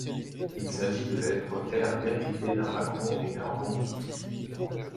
Il s'agit de la lettre R diacritée d'un macron et d’un rond souscrit.